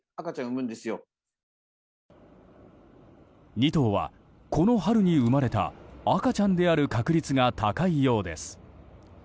２頭は、この春に生まれた赤ちゃんである確率が高いようです。